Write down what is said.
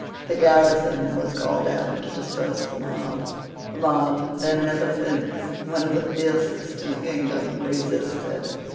The garrison was called out to disperse the mob. The mob, then and ever since one of the fiercest in the kingdom, resisted.